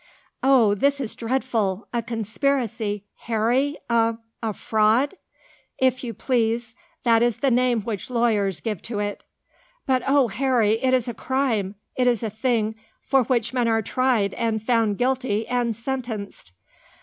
"Oh, this is dreadful! A conspiracy, Harry? a a fraud?" "If you please. That is the name which lawyers give to it." "But oh, Harry! it is a crime. It is a thing for which men are tried and found guilty and sentenced."